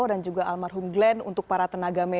dan saat itu pesan apa yang ingin disampaikan oleh kamu